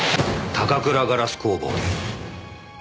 高倉ガラス工房で。